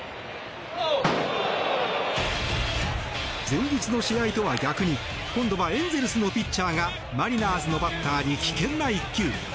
前日の試合とは逆に今度はエンゼルスのピッチャーがマリナーズのバッターに危険な一球。